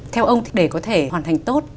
theo ông để có thể hoàn thành tốt